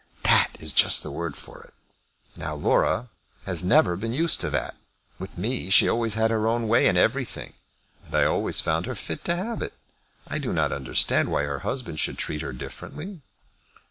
That is just the word for it. Now Laura has never been used to that. With me she always had her own way in everything, and I always found her fit to have it. I do not understand why her husband should treat her differently."